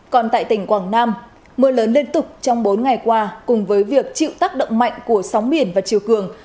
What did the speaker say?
còn tại tỉnh quảng nam mưa lớn liên tục trong bốn ngày qua cùng với việc chịu tác động mạnh của sóng biển và chiều cường